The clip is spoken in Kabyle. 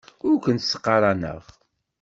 Ur kent-ttqaraneɣ.